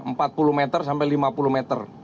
empat puluh m sampai lima puluh m